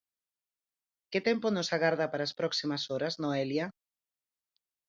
Que tempo nos agarda para as próximas horas Noelia?